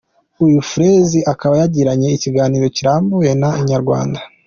Uyu Freezy akaba yagiranye ikiganiro kirambuye na Inyarwanda.